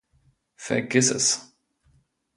Vergiss es!